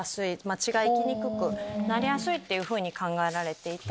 血が行きにくくなりやすいって考えられていて。